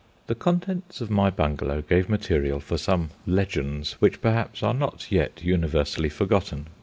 The contents of my Bungalow gave material for some "Legends" which perhaps are not yet universally forgotten.